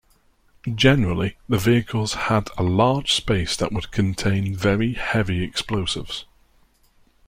Generally the vehicles had a large space that would contain very heavy explosives.